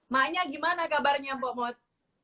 maknya gimana kabarnya pemot